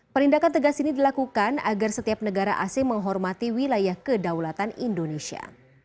perindakan tegas ini dilakukan agar setiap negara asing menghormati wilayah kedaulatan indonesia